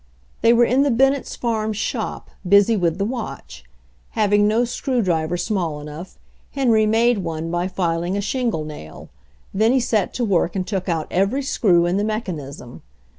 They were in the Bennetts' farm "shop," busy with the watch. Having no screw driver small enough, Henry made one by filing a shingle nail. Then he set to work and took out every screw in the mechanism.